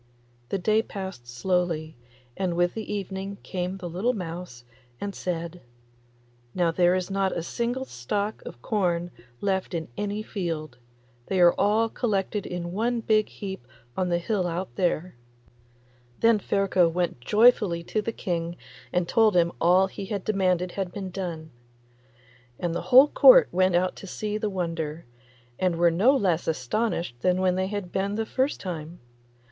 The day passed slowly, and with the evening came the little mouse and said, 'Now there is not a single stalk of corn left in any field; they are all collected in one big heap on the hill out there.' Then Ferko went joyfully to the King and told him that all he demanded had been done. And the whole Court went out to see the wonder, and were no less astonished than they had been the first time.